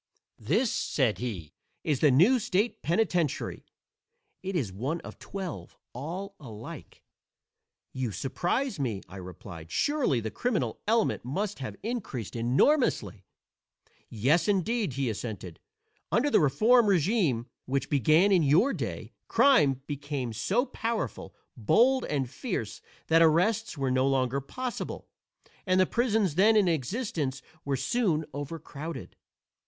"This," said he, "is the new state penitentiary. It is one of twelve, all alike." "You surprise me," I replied. "Surely the criminal element must have increased enormously." "Yes, indeed," he assented; "under the Reform régime, which began in your day, crime became so powerful, bold and fierce that arrests were no longer possible and the prisons then in existence were soon overcrowded.